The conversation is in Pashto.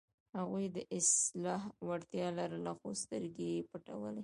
هغوی د اصلاح وړتیا لرله، خو سترګې یې پټولې.